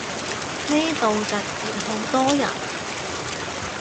呢度突然好多人